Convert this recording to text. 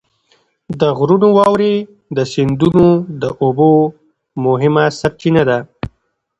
د غرونو واورې د سیندونو د اوبو مهمه سرچینه ده.